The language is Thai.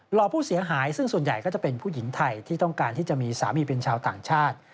ห่อผู้เสียหายซึ่งส่วนใหญ่ก็จะเป็นผู้หญิงไทยที่ต้องการที่จะมีสามีเป็นชาวต่างชาติ